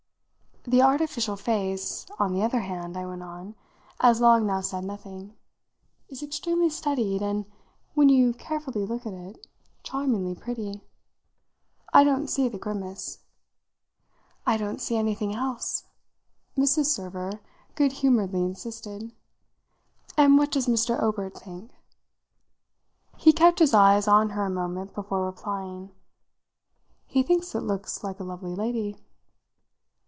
"The artificial face, on the other hand," I went on, as Long now said nothing, "is extremely studied and, when you carefully look at it, charmingly pretty. I don't see the grimace." "I don't see anything else!" Mrs. Server good humouredly insisted. "And what does Mr. Obert think?" He kept his eyes on her a moment before replying. "He thinks it looks like a lovely lady."